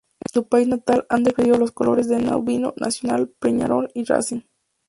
En su país natal ha defendido los colores de Danubio, Nacional, Peñarol y Racing.